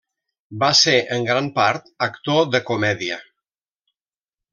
Va ser en gran part actor de comèdia.